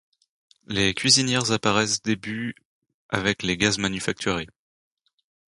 Les cuisinières apparaissent début avec les gaz manufacturés.